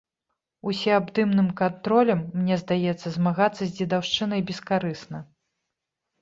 Усёабдымным кантролем, мне здаецца, змагацца з дзедаўшчынай бескарысна.